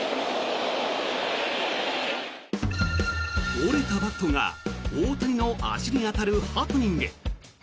折れたバットが大谷の足に当たるハプニング。